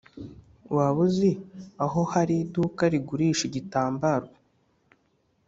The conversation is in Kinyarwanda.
waba uzi aho hari iduka rigurisha igitambaro?